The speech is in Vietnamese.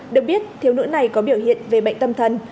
được biết thiếu nữ này có biểu hiện về bệnh tâm thần